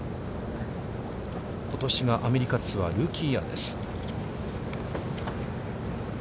ことしがアメリカツアー、ルーキーイヤーです。